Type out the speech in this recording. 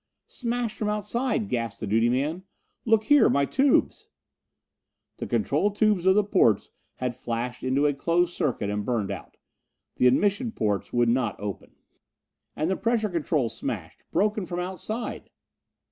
"Smashed from outside," gasped the duty man. "Look there my tubes " The control tubes of the portes had flashed into a close circuit and burned out. The admission portes would not open! "And the pressure controls smashed! Broken from outside